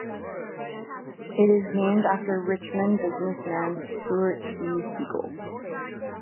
It is named after Richmond businessman Stuart C. Siegel.